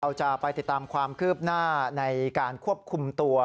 เราจะไปติดตามความคืบหน้าในการควบคุมตัว